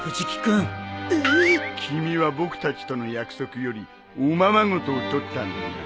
君は僕たちとの約束よりおままごとを取ったんだな。